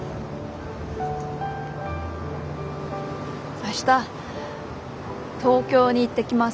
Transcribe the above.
明日東京に行ってきます。